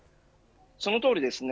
そのとおりですね。